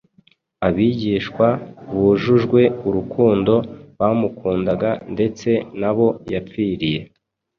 abigishwa bujujwe urukundo bamukunda ndetse n’abo yapfiriye